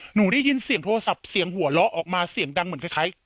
หนูได้ยินเสียงโทรศัพท์เสียงหัวเราะออกมาเสียงดังเหมือนคล้าย